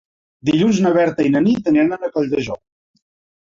Dilluns na Berta i na Nit aniran a Colldejou.